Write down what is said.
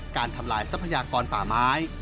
ทำลายทรัพยากรป่าไม้